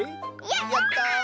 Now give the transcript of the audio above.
やった！